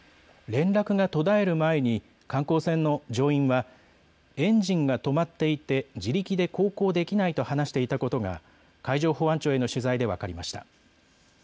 連絡が途絶える前に観光船の乗員はエンジンが止まっていて自力で航行できないと話していたことが海上保安庁への取材で分かりました。